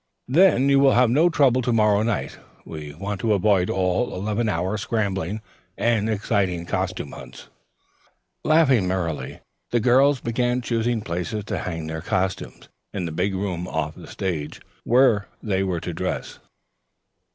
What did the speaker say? "Then you will have no trouble to morrow night. We want to avoid all eleventh hour scrambling and exciting costume hunts." Laughing merrily, the girls began choosing places to hang their costumes in the big room off the stage where they were to dress.